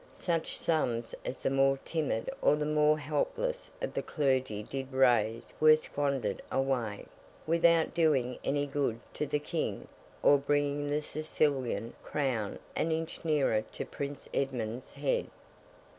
Such sums as the more timid or more helpless of the clergy did raise were squandered away, without doing any good to the King, or bringing the Sicilian Crown an inch nearer to Prince Edmund's head.